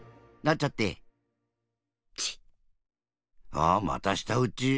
あっまたしたうち。